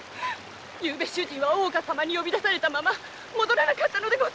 昨夜主人は大岡様に呼び出されたまま戻らなかったのです。